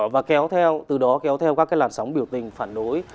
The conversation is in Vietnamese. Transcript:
và kéo theo từ đó kéo theo các cái làn sóng biểu tình phản đối